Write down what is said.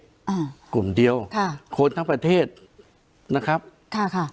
อ่ากลุ่มเดียวค่ะคนทั้งประเทศนะครับค่ะ